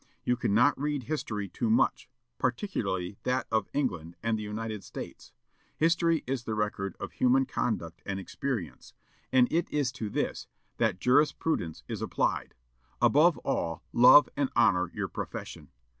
You cannot read history too much, particularly that of England and the United States. History is the record of human conduct and experience; and it is to this that jurisprudence is applied.... Above all love and honor your profession.